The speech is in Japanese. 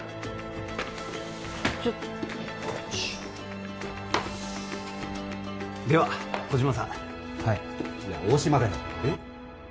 ちょっよいしょでは小島さんはいいや大島だよえっ？